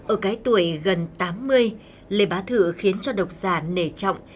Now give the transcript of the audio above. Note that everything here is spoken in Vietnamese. ở cái tuổi gần tám mươi lê bá thự khiến cho độc giả nể trọng